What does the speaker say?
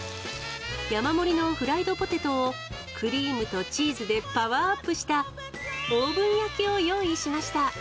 山盛りのフライドポテトを、クリームとチーズでパワーアップした、オーブン焼きを用意しまし